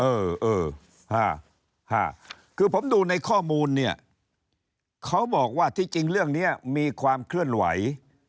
เออเออคือผมดูในข้อมูลเนี่ยเขาบอกว่าที่จริงเรื่องนี้มีความเคลื่อนไหว